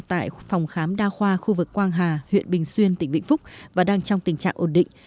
tại phòng khám đa khoa khu vực quang hà huyện bình xuyên tỉnh vĩnh phúc và đang trong tình trạng ổn định